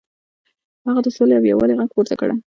هغه د سولې او یووالي غږ پورته کړ.